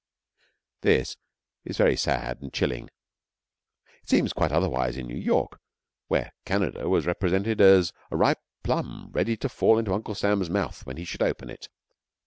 This is very sad and chilling. It seemed quite otherwise in New York, where Canada was represented as a ripe plum ready to fell into Uncle Sam's mouth when he should open it.